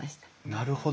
なるほど。